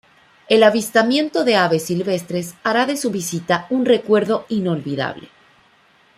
El avistamiento de aves silvestres hará de su vista un recuerdo inolvidable.